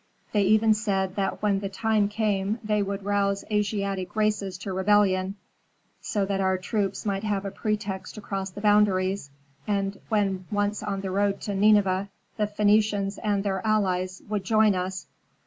"They even said that when the time came they would rouse Asiatic races to rebellion, so that our troops might have a pretext to cross the boundaries, and when once on the road to Nineveh, the Phœnicians and their allies would join us.